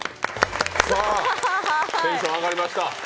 テンション上がりました。